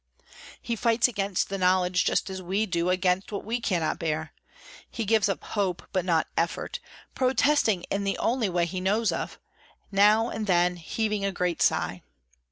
He fights against the knowledge just as we do against what we cannot bear; he gives up hope, but not effort, protesting in the only way he knows of, and now and then heaving a great sigh.